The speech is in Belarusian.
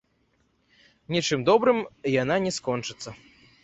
Нічым добрым яна не скончыцца.